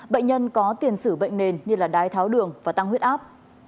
bệnh nhân có tiền xử bệnh nền như đai tháo đường và tăng huyết áp